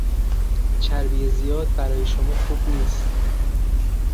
چربی زیاد برای شما خوب نیست.